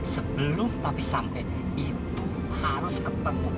sebelum papi sampai itu harus kepebuk